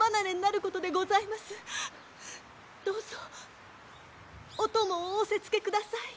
どうぞお供を仰せつけください！